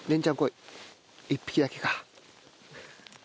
１匹だけか。